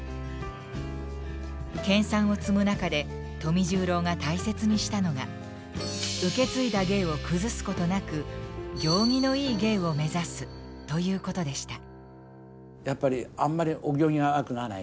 研鑽を積む中で富十郎が大切にしたのが受け継いだ芸を崩すことなく「行儀のいい芸」を目指すということでした。